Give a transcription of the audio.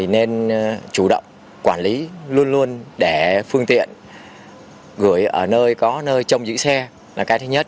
nên chủ động quản lý luôn luôn để phương tiện gửi ở nơi có nơi trong giữ xe là cái thứ nhất